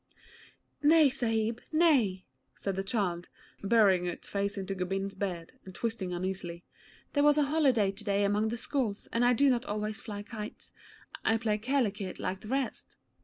'Nay, Sahib, nay,' said the child, burrowing its face into Gobind's beard, and twisting uneasily. 'There was a holiday to day among the schools, and I do not always fly kites. I play ker li kit like the rest.'